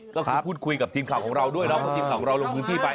ก็คือพูดคุยกับทีมข่าวของเราด้วยเนาะทีมข่าวของเราลงพื้นที่ไป